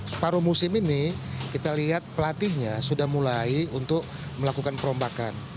separuh musim ini kita lihat pelatihnya sudah mulai untuk melakukan perombakan